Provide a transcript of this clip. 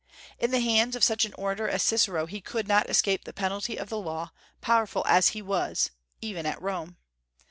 In the hands of such an orator as Cicero he could not escape the penalty of the law, powerful as he was, even at Rome.